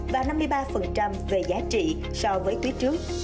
và năm mươi ba về giá trị so với quý trước